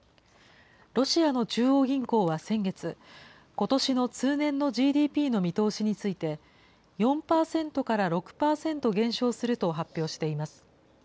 ロシアの中央銀行は先月、ことしの通年のＧＤＰの見通しについて、４％から６％減少すると発表しています。